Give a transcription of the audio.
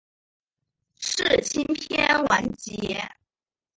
世青篇完结。